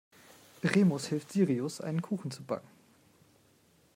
Remus hilft Sirius, einen Kuchen zu backen.